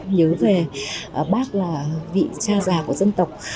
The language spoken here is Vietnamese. nhớ về bác là vị cha già của dân tộc